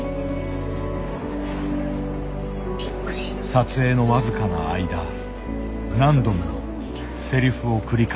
撮影の僅かな間何度もせりふを繰り返す。